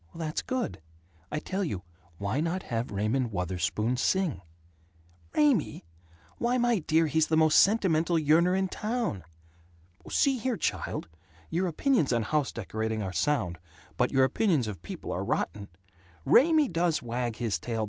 "That's good. I tell you: why not have Raymond Wutherspoon sing?" "Raymie? Why, my dear, he's the most sentimental yearner in town!" "See here, child! Your opinions on house decorating are sound, but your opinions of people are rotten! Raymie does wag his tail.